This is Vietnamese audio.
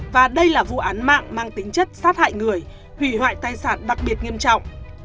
và đây là vụ án mạng mang tính chất sát hại người hủy hoại tài sản đặc biệt nghiêm trọng